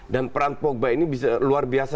dan peran pogba ini bisa luar biasa